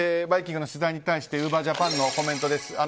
「バイキング」の取材に対してウーバージャパンのコメントです。